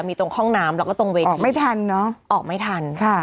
มีตรงห้องน้ำแล้วก็ตรงเวรออกไม่ทันเนอะออกไม่ทันค่ะ